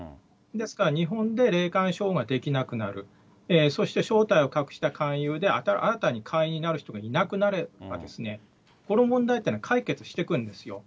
ですから日本で霊感商法ができなくなる、そして正体を隠した勧誘で新たに会員になる人がいなくなれば、この問題というのは解決していくんですよ。